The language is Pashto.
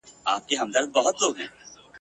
زموږ په برخه چي راغلې دښمني او عداوت وي ..